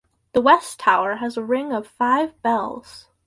The west tower has a ring of five bells.